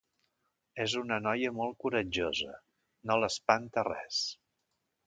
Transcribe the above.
És una noia molt coratjosa: no l'espanta res.